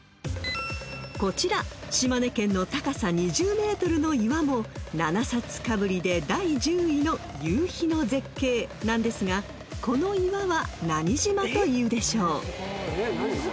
［こちら島根県の高さ２０ｍの岩も７冊かぶりで第１０位の夕日の絶景なんですがこの岩は何島というでしょう？］